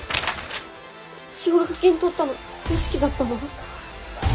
奨学金取ったの良樹だったの？